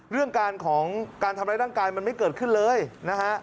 เรื่องการของการทำร้ายร่างกายมันไม่เกิดขึ้นเลยนะฮะ